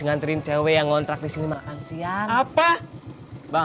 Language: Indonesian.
nganterin cewek yang ngontrak di sini makan siapa bang